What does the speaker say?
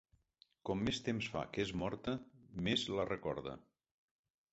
Com més temps fa que és morta, més la recorda.